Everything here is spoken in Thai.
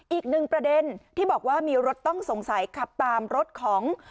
อีกหนึ่งประเด็นที่บอกว่ามีรถต้องสงสัยขับตามรถของ